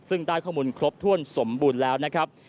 ซึ่งได้ข้อมูลครบถ้วนสมบูรณ์แล้วนะครับ